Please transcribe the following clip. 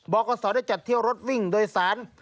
กศได้จัดเที่ยวรถวิ่งโดยสาร